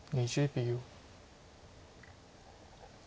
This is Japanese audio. ２０秒。